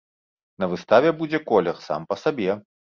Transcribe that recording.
На выставе будзе колер сам па сабе.